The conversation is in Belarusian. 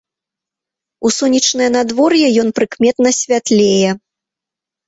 У сонечнае надвор'е ён прыкметна святлее.